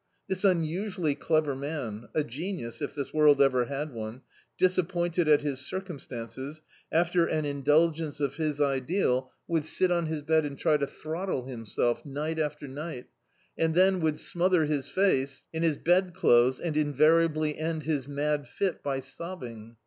This unusually clever man — a genius, if this world ever had one— disappointed at his circum stances, after an indulgence of his ideal, would sit D,i.,.db, Google The Autobiography of a Super Tramp on his bed and try to throttle himself, ni^t after ni^t; and then would smother his face in his bed clothes, and invariably end his mad fit by sobbing.